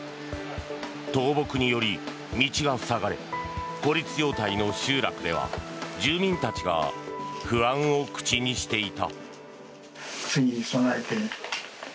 倒木により道が塞がれ孤立状態の集落では住民たちが不安を口にしていた。